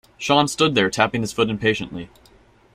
Sean stood there tapping his foot impatiently.